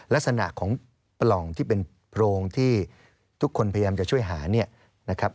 ลักษณะของปล่องที่เป็นโพรงที่ทุกคนพยายามจะช่วยหาเนี่ยนะครับ